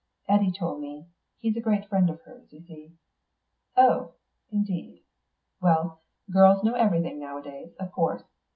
"Eddy told me. He's a great friend of hers, you see." "Oh, indeed. Well, girls know everything now a days, of course.